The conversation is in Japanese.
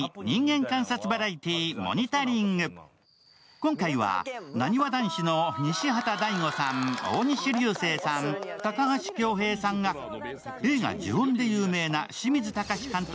今回はなにわ男子の大橋和也さん、大西流星さん、高橋恭平さんが映画「呪怨」で有名な清水崇監督